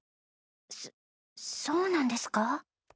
そそうなんですか。